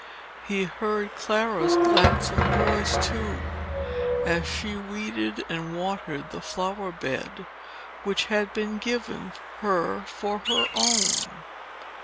He heard Clara's gladsome voice, too, as she weeded and watered the flower bed which had been given her for her own.